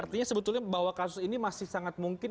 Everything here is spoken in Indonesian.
artinya sebetulnya bahwa kasus ini masih sangat mungkin